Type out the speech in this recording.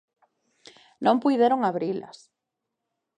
Non puideron abrilas.